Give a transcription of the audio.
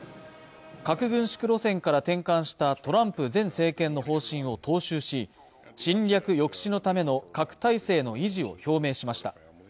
核軍縮路線から転換したトランプ前政権の方針を踏襲し侵略抑止のための核態勢の維持を表明しました